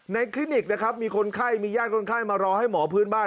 คลินิกนะครับมีคนไข้มีญาติคนไข้มารอให้หมอพื้นบ้าน